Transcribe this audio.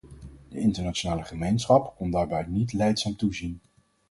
De internationale gemeenschap kon daarbij niet lijdzaam toezien.